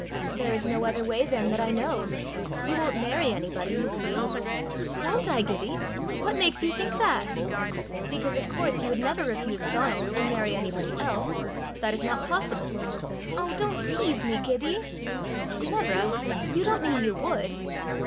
"There is no other way then that I know. You won't marry anybody, you see." "Won't I, Gibbie? What makes you think that?" "Because of course you would never refuse Donal and marry anybody else; that is not possible." "Oh! don't tease me, Gibbie." "Ginevra, you don't mean you would?"